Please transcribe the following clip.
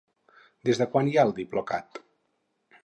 Des de quan hi ha el Diplocat?